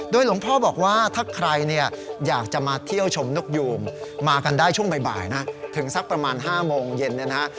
หลวงพ่อบอกว่าถ้าใครเนี่ยอยากจะมาเที่ยวชมนกยูงมากันได้ช่วงบ่ายนะถึงสักประมาณ๕โมงเย็นเนี่ยนะฮะ